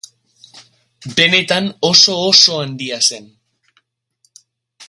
Benetan oso-oso handia zen.